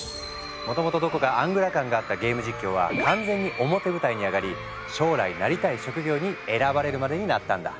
もともとどこかアングラ感があったゲーム実況は完全に表舞台に上がり将来なりたい職業に選ばれるまでになったんだ。